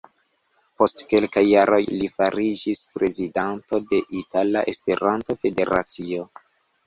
Post kelkaj jaroj, li fariĝis prezidanto de Itala Esperanto-Federacio.